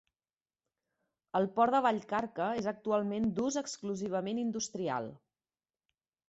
El port de Vallcarca és actualment d'ús exclusivament industrial.